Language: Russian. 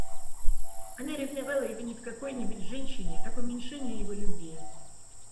Она ревновала его не к какой-нибудь женщине, а к уменьшению его любви.